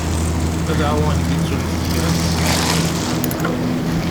Dεu ad k-d-ittunefk kra tessenseḍ ticemmaεin.